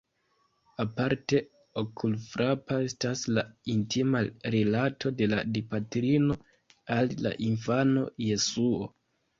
Aparte okulfrapa estas la intima rilato de la Dipatrino al la infano Jesuo.